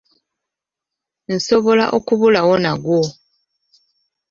Nsobola okubulawo nagwo.